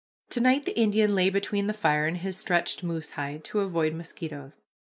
To night the Indian lay between the fire and his stretched moose hide, to avoid mosquitoes.